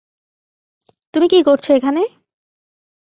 তুমি কি করছ এখানে?